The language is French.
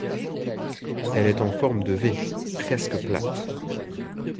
Elle est en forme de V, presque plate.